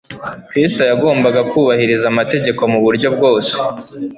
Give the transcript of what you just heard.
Kristo yagombaga kubahiriza amategeko mu buryo bwose